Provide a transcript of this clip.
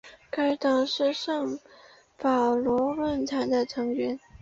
该党是圣保罗论坛的成员。